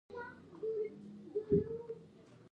پخو قلمه زده کړه ښایسته کېږي